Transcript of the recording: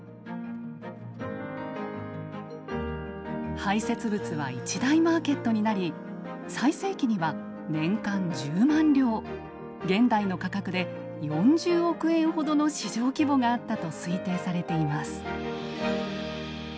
排せつ物は一大マーケットになり最盛期には年間１０万両現代の価格で４０億円ほどの市場規模があったと推定されています。